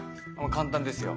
簡単ですよ。